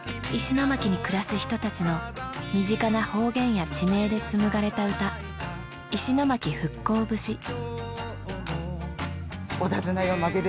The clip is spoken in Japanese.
石巻に暮らす人たちの身近な方言や地名で紡がれた歌「石巻復興節」。